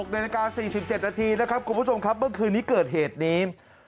นาฬิกา๔๗นาทีนะครับคุณผู้ชมครับเมื่อคืนนี้เกิดเหตุนี้